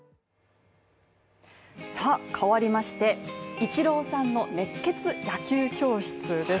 さあ、変わりまして、イチローさんの熱血野球教室です